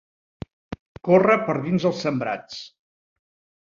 Córrer per dins els sembrats.